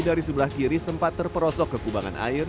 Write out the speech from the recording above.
dari sebelah kiri sempat terperosok ke kubangan air